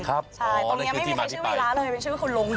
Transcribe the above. ใช่ตรงนี้ไม่มีใครชื่อวีระเลยเป็นชื่อคุณลุง